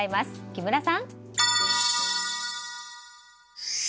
木村さん！